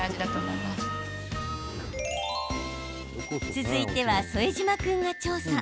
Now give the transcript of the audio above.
続いては、副島君が調査。